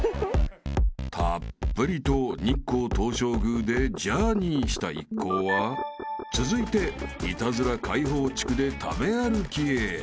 ［たっぷりと日光東照宮でジャーニーした一行は続いてイタズラ解放地区で食べ歩きへ］